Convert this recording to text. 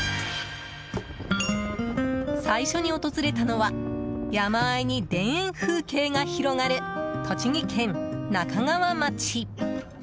最初に訪れたのは山あいに田園風景が広がる栃木県那珂川町。